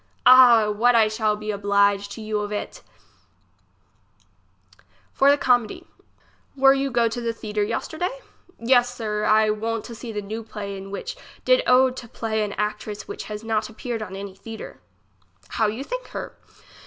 Ah ! what I shall be oblige to you of it ! For the comedy. Were you go to the theatre yesterday ? Yes, sir ; I won't to see the new play in which did owed to play and actress which has not appeared on any theatre. How you think her?